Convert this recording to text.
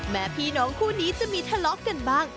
แม่พี่น้องคู่นี้จะมีทะเลาะกันบ้าง